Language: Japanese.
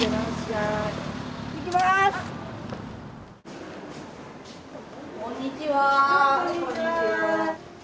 はいこんにちは。